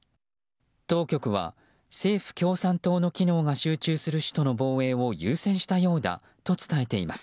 当局は、政府・共産党の機能が集中する首都の防衛を優先したようだと伝えています。